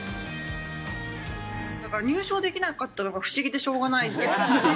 だから入賞できなかったのが不思議でしょうがないです。